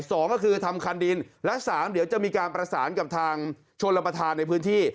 สองก็คือทำคันดินและสามเดี๋ยวจะมีการประสานกับทางชนรับประทานในพื้นที่